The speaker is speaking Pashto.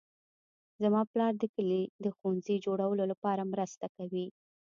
زما پلار د کلي د ښوونځي د جوړولو لپاره مرسته کوي